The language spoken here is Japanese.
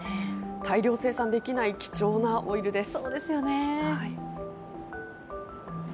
大量生産できない貴重なオイルです。